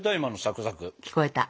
聞こえた？